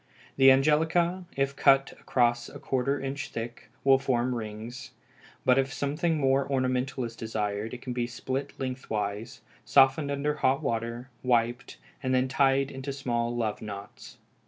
The angelica, if cut across a quarter inch thick, will form rings, but if something more ornamental is desired it can be split lengthwise, softened in hot water, wiped, then tied into small love knots.